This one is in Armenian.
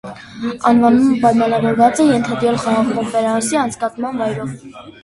Անվանումը պայմանավորված է ենթադրյալ խաղաղ կոնֆերանսի անցկացման վայրով։